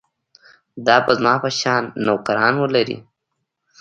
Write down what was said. دا به زما په شان نوکران ولري.